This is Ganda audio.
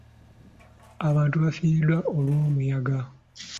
Abantu bafiiriziddwa olw'omuyaga.